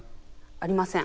ありません。